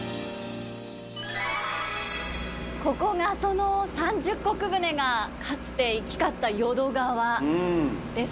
ここがその三十石船がかつて行き交った淀川ですね。